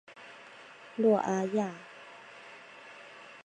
诺阿亚。